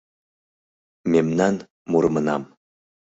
Мемнан мурымынам